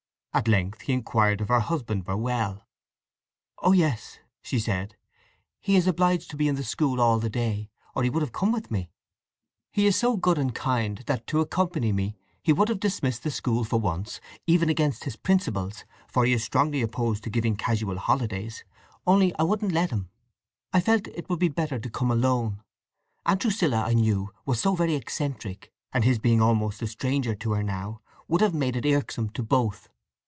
At length he inquired if her husband were well. "O yes," she said. "He is obliged to be in the school all the day, or he would have come with me. He is so good and kind that to accompany me he would have dismissed the school for once, even against his principles—for he is strongly opposed to giving casual holidays—only I wouldn't let him. I felt it would be better to come alone. Aunt Drusilla, I knew, was so very eccentric; and his being almost a stranger to her now would have made it irksome to both.